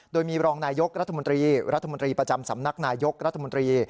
โดยมีรองนายกรัฐมนตรีรัฐมนตรีประจำสำนักนายยกรัฐมนตรี